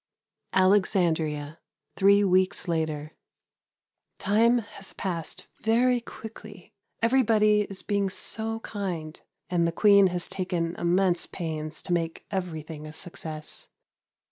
Alexandria, three weeks later. Time has passed very quickly. Everybody is being so kind, and the Queen has taken immense pains to make everything a success.